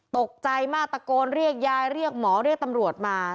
ตกใจมากตะโกนเรียกยายเรียกหมอเรียกตำรวจมา